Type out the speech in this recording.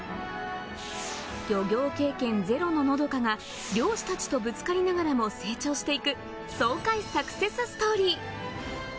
漁業経験ゼロの和佳が漁師たちとぶつかりながらも成長していく、爽快サクセスストーリー。